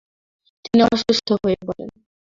তিনি অসুস্থ হয়ে পড়েন।